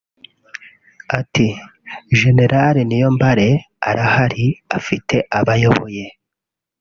Ati “(Gen Niyombare) Arahari afite abo ayoboye